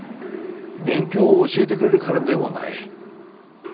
勉強を教えてくれるからでもない。